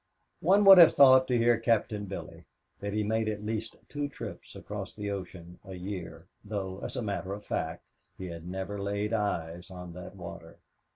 One would have thought, to hear Captain Billy, that he made at least two trips across the ocean a year, though, as a matter of fact, he had never laid his eyes on that water.